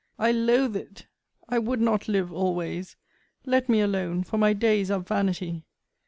I loath it! I would not live always! Let me alone; for my days are vanity!